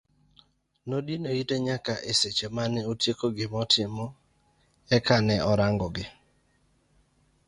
Nodino ite nyaka e seche mane otieko gima notimo ek ne orang'ogi.